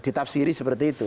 ditafsiri seperti itu